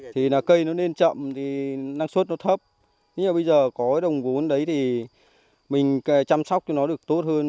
thì là cây nó lên chậm thì năng suất nó thấp nhưng mà bây giờ có cái đồng vốn đấy thì mình chăm sóc cho nó được tốt hơn